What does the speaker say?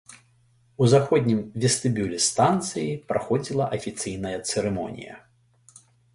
У заходнім вестыбюлі станцыі праходзіла афіцыйная цырымонія.